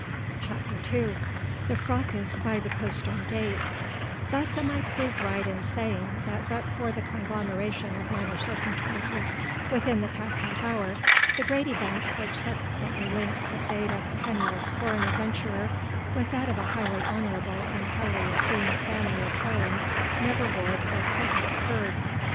CHAPTER II THE FRACAS BY THE POSTERN GATE Thus am I proved right in saying that but for the conglomeration of minor circumstances within the past half hour, the great events which subsequently linked the fate of a penniless foreign adventurer with that of a highly honourable and highly esteemed family of Haarlem never would or could have occurred.